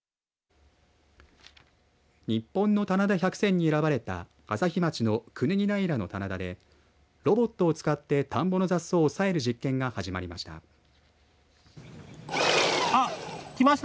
日本の棚田百選に選ばれた朝日町の椹平の棚田でロボットを使って田んぼの雑草を抑える実験が始まりました。